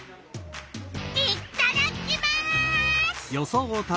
いっただきます！